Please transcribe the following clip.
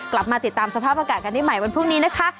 กลับมาติดตามสภาพอากาศกันให้ใหม่วันพรุ่งนี้นะคะ